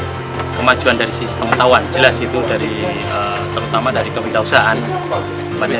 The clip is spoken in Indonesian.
saya merasakan dari sisi kemajuan dari sisi pemerintahwan jelas itu dari terutama dari kewirausahaan